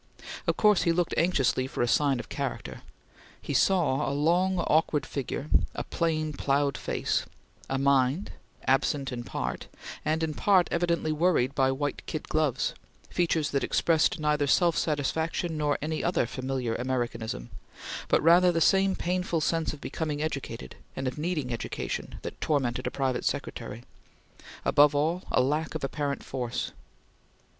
Of course he looked anxiously for a sign of character. He saw a long, awkward figure; a plain, ploughed face; a mind, absent in part, and in part evidently worried by white kid gloves; features that expressed neither self satisfaction nor any other familiar Americanism, but rather the same painful sense of becoming educated and of needing education that tormented a private secretary; above all a lack of apparent force.